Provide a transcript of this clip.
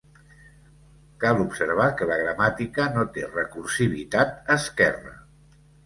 Cal observar que la gramàtica no té recursivitat esquerra.